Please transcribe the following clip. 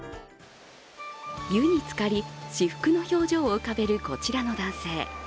湯に浸かり、至福の表情を浮かべるこちらの男性。